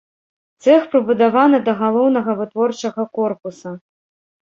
Цэх прыбудаваны да галоўнага вытворчага корпуса.